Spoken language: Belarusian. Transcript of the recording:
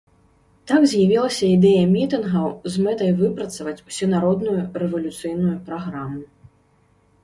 Так з'явілася ідэя мітынгаў з мэтай выпрацаваць усенародную рэвалюцыйную праграму.